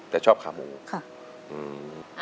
แต่ชอบขาหมูค่ะอืม